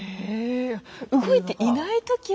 動いていない時を。